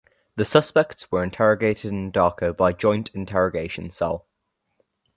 The suspects were interrogated in Dhaka by Joint Interrogation Cell.